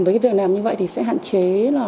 với việc làm như vậy thì sẽ hạn chế